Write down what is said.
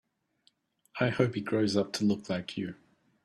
I hope he grows up to look like you.